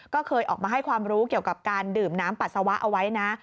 ก็เคยออกมาให้ความรู้เกี่ยวกับการดื่มน้ำปัสสาวะเอาไว้นะ